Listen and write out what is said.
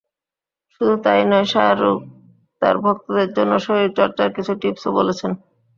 শুধু তা-ই নয়, শাহরুখ তাঁর ভক্তদের জন্য শরীরচর্চার কিছু টিপসও বলেছেন।